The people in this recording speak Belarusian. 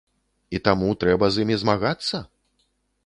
І таму трэба з імі змагацца?